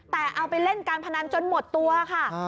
แต่เอาไปเล่นการพนันจนหมดตัวค่ะ